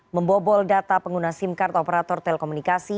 membobol data pengguna sim card operator telekomunikasi